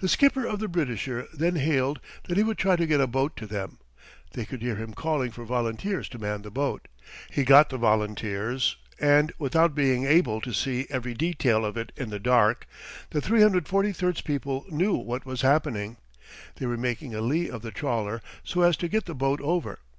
The skipper of the Britisher then hailed that he would try to get a boat to them. They could hear him calling for volunteers to man the boat. He got the volunteers, and without being able to see every detail of it in the dark, the 343's people knew what was happening. They were making a lee of the trawler so as to get the boat over.